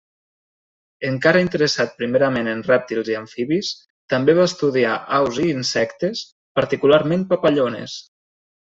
Encara interessat primerament en rèptils i amfibis, també va estudiar aus i insectes, particularment papallones.